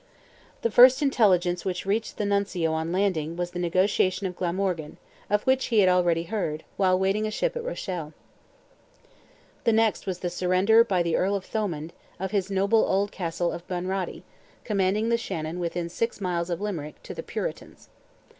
The first intelligence which reached the Nuncio on landing, was the negotiation of Glamorgan, of which he had already heard, while waiting a ship at Rochelle. The next was the surrender by the Earl of Thomond, of his noble old castle of Bunratty, commanding the Shannon within six miles of Limerick, to the Puritans.